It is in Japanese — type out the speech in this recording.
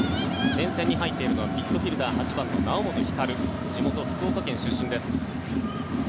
前線に入っているのはミッドフィールダー８番の猶本光地元・福岡県出身です。